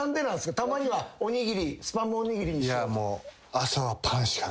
たまにはおにぎりスパムおにぎりにしようとか。